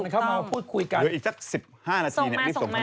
กล้ามพัฒนภาษาแดนส์เหรอโอ้มากแต่กลับมาตูมมาเถอะ